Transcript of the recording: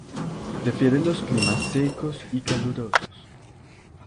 Prefiere los climas secos y calurosos.